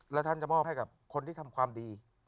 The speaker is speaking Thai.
แล้วท่านจะมอบให้กับคนที่ทำความดี